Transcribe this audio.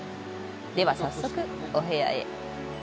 では、早速、お部屋へ。